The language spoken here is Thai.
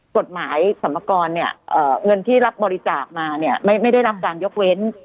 กฎหมายสรรพากรเนี่ยเงินที่รับบริจาคมาเนี่ยไม่ได้รับการยกเว้น